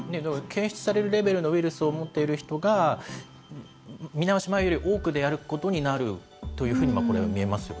検出されるレベルのウイルスを持っている人が、見直し前より多く出歩くことになるというふうにこれは見えますよ